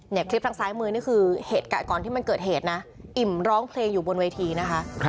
คลิปทางซ้ายมือนี่คือเหตุการณ์ก่อนที่มันเกิดเหตุนะอิ่มร้องเพลงอยู่บนเวทีนะคะ